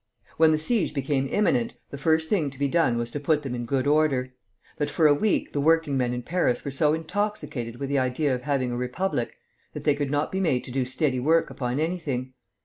When the siege became imminent, the first thing to be done was to put them in good order; but for a week the working men in Paris were so intoxicated with the idea of having a republic that they could not be made to do steady work upon anything.